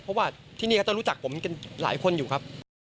เพราะว่าที่นี่ก็จะรู้จักผมกันหลายคนอยู่ครับ